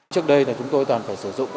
trước đây chúng tôi toàn phải sử dụng